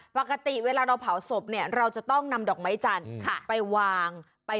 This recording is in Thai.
ปกติเวลาเราเผาศพเนี่ยเราจะต้องนำดอกไม้จันทร์ไปวาง